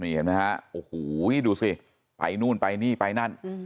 เห็นไหมฮะโอ้โหดูสิไปนู่นไปนี่ไปนั่น